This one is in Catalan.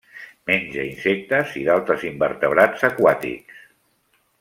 Menja insectes i d'altres invertebrats aquàtics.